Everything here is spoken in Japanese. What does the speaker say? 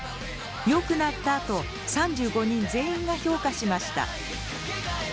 よくなったと３５人全員が評価しました。